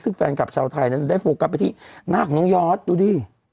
ซึ่งแฟนคลับชาวไทยนั้นได้โฟกัสไปที่หน้าของน้องยอดดูดิ